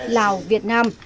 lào việt nam